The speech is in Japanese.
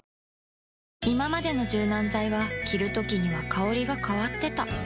いままでの柔軟剤は着るときには香りが変わってた